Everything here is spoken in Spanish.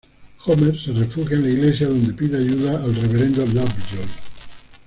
Homer se refugia en la iglesia, donde pide ayuda al Reverendo Lovejoy.